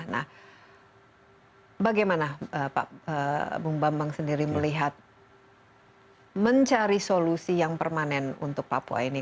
nah bagaimana pak bung bambang sendiri melihat mencari solusi yang permanen untuk papua ini